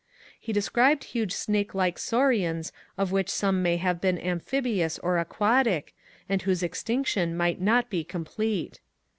He described huge snake like saurians of which some may have been amphibious or aquatic, and whose extinction might not be complete.